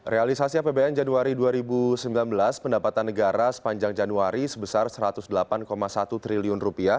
realisasi apbn januari dua ribu sembilan belas pendapatan negara sepanjang januari sebesar rp satu ratus delapan satu triliun